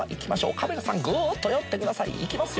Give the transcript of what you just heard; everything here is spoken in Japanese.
カメラさんぐっと寄っていきますよ。